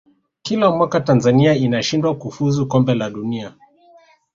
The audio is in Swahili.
kila mwaka tanzania inashindwa kufuzu kombe la dunia